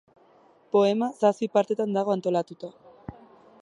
Poema zazpi partetan dago antolatuta.